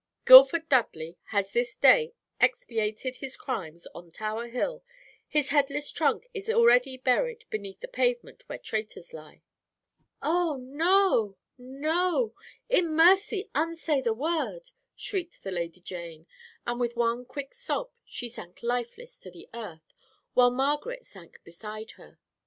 Guildford Dudley has this day expiated his crimes on Tower Hill. His headless trunk is already buried beneath the pavement where traitors lie.' "'Oh no, no; in mercy unsay the word!' shrieked the Lady Jane, and with one quick sob she sank lifeless to the earth, while Margaret sank beside her.